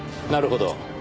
なるほど。